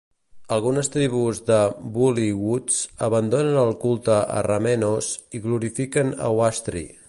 Algunes tribus de "bullywugs" abandonen el culte a Ramenos i glorifiquen a Wastri.